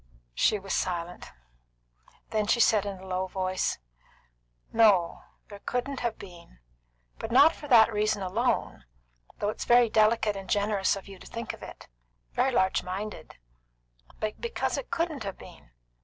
She was silent. Then she said, in a low voice: "No, there couldn't have been. But not for that reason alone, though it's very delicate and generous of you to think of it, very large minded; but because it couldn't have been.